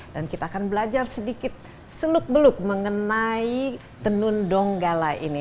dan kita akan belajar sedikit seluk beluk mengenai tenun donggala ini